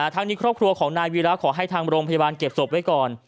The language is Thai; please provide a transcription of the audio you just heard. ทั้งนี้ครอบครัวของนายวีระขอให้ทางโรงพยาบาลเก็บศพไว้ก่อน